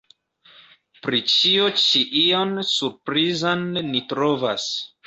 Pri ĉio ĉi ion surprizan ni trovas.